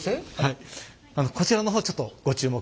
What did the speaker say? こちらの方ちょっとご注目。